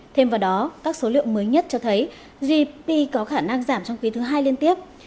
thêm vào đó các số liệu mới nhất cho thấy gdp có khả năng giảm trong quý thứ hai liên tiếp